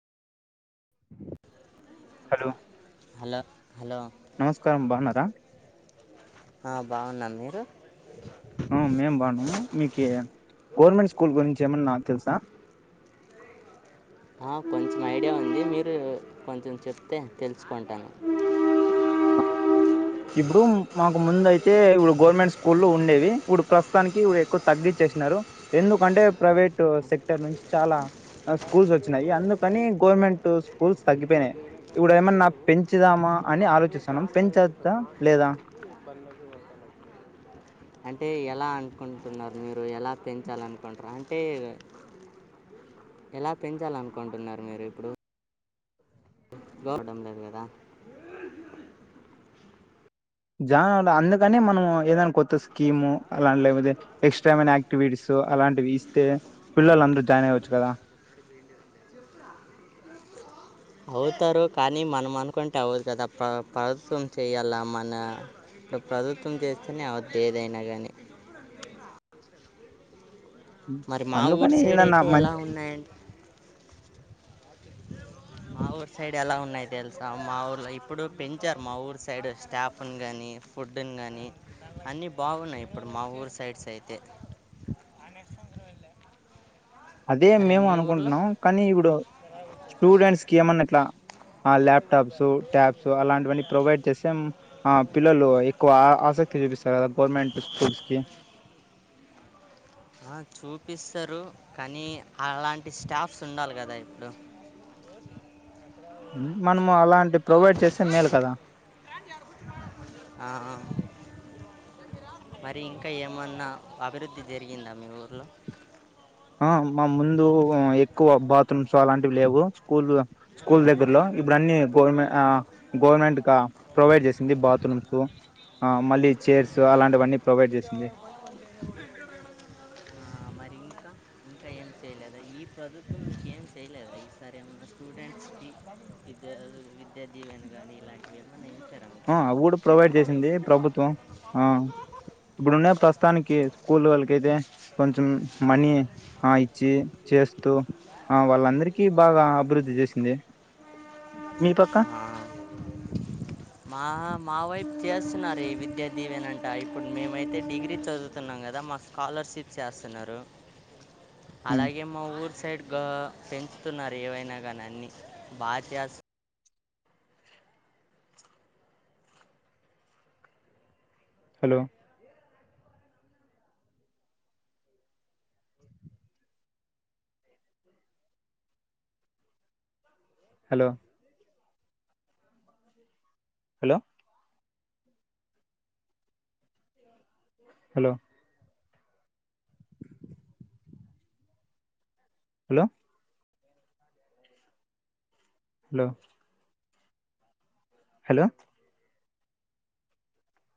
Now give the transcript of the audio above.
Hello hello hello నమస్కారం బావున్నరా. ఆ బావున్నాను. మీరు? ఆ మేం బావున్నాము. మీకి గవర్నమెంట్ స్కూల్ గురించి ఏమన్నా తెలుసా? ఆ కొంచెం ఐడియా ఉంది, మీరు కొంచెం చెప్తే తెలుసుకుంటాను. ఇప్పుడు మాకు ముందు అయితే ఇప్పుడు గవర్నమెంట్ స్కూల్లు ఉండేవి. ఇప్పుడు ప్రస్తుతానికి ఇప్పుడు ఎక్కువ తగ్గిచ్చేశినారు. ఎందుకంటే ప్రైవేటు సెక్టార్ నుంచి చాలా ఆ స్కూల్స్ వచ్చినాయి అందుకని గవర్నమెంట్ స్కూల్స్ తగ్గిపోయినయి ఇప్పుడు ఏమన్నా పెంచుదామా అని ఆలోచిస్తున్నాం, పెంచ [unintelligible] అంటే ఎలా అనుకుంటున్నారు మీరు ఎలా పెంచాలనుకుంటుర్రు అంటే ఎలా పెంచాలనుకుంటున్నారు మీరు ఇప్పుడు. ఎవర్ని నమ్మలేన్ గదా జా ఆడ అందుకనే మనం ఏదన్న కొత్త స్కీము అలా అన్ లేకపోతే ఎక్స్ట్రా ఏమైనా యాక్టివిటీస్ అలాంటివి ఇస్తే పిల్లల్ అందరు జాయిన్ అయ్యవచ్చు కదా అవుతారు కానీ మనం అనుకుంటే అవ్వదు కదప్ప ప్రభుత్వం చేయాల మన ప్రభుత్వం చేస్తేనే అవద్ది ఏదైన గానీ హ్మ్. మరి మా ఊర్ అందుకని సైడ్ ఏదన్నా అయితే ఎలా మంచి ఉన్నాయం మా ఊర్ సైడ్ ఎలా ఉన్నాయి తెల్సా మా ఊర్లో ఇప్పుడు పెంచార్ మా ఊర్ సైడ్ స్టాఫ్న్ గానీ ఫుడ్న్ గానీ అన్నీ బాగున్నాయి ఇప్పుడు మా ఊర్ సైడ్స్ అయితే అనేస్తం [unintelligible] అదే మేము అనుకుంటున్నాం కనీ ఇప్పుడు స్టూడెంట్స్కి ఏమన్న ఇట్ల ఆ ల్యాప్టాప్స్, ట్యాబ్స్ అలాంటివన్నీ ప్రొవైడ్ చేస్ ఆ పిల్లలు ఎక్కువ ఆసక్తి చూపిస్తార్ కదా గవర్నమెంట్ స్కూల్స్కి ఆ చూపిస్తరు కనీ అలాంటి స్టాఫ్స్ ఉండాల్ గదా ఇప్పుడు మనము అలాంటి ప్రొవైడ్ చేస్తే మేలు కదా ఆవ్ మరి ఇంక ఏమన్న అభివృద్ధి జరిగిందా మీ ఊర్లో? ఆ మా ముందు ఎక్కువ బాత్రూమ్స్ అలాంటివి లేవు స్కూల్ల స్కూల్ ఆ, దగ్గర్లో ఇప్పుడు అన్ని గవర్న ఆ గవర్నమెంట్క ప్రొవైడ్ చేస్ ది బాత్రుమ్స్ ఆ మళ్ళీ చైర్స్ అలాంటి వన్ని మరి ఇంకా ఇంకా ఏం చేయలేదా ఈ ప్రభుత్వం మీకేం చేయలేదా ఈ సారి ఏమన్నా స్టూడెంట్స్కి విద్య విద్యా దీవెన్ గానీ ఇలాంటివి ఏమన్న ఇంకా ఆ అవి గుడా ప్రొవైడ్ చేసింది ప్రభుత్వం ఆ ఇప్పుడున్న ప్రస్తుతానికి స్కూల్ వాళ్ళకైతే కొంచం మనీ ఆ ఇచ్చి, చేస్తూ ఆ వాళ్ళందరికీ బాగా అభివృద్ధి చేసింది. మీ పక్కా? మీకు మా మా వైప్ చేస్తున్నార్ ఈ విద్య దీవేనంట ఇప్పుడ్ మేం మైతే డిగ్రీ చదువుతున్నాం గదా మాక్ స్కాలర్షిప్ చేసున్నారు ఉమ్, అలాగే మా ఊర్ సైడ్గా పెంచుతున్నార్ ఏవైనా గాన్ అన్నీ బాత్య hello! Hello! Hello! Hello! Hello! లో హలో!